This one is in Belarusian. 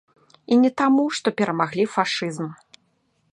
І не таму, што перамаглі фашызм.